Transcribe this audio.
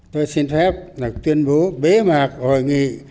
tôi xin phép tuyên bố bế mạc hội nghị